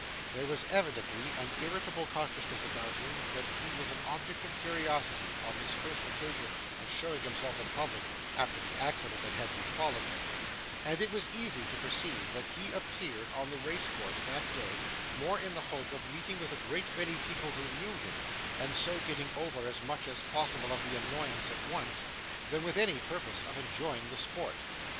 There was evidently an irritable consciousness about him that he was an object of curiosity, on this first occasion of showing himself in public after the accident that had befallen him; and it was easy to perceive that he appeared on the race course, that day, more in the hope of meeting with a great many people who knew him, and so getting over as much as possible of the annoyance at once, than with any purpose of enjoying the sport.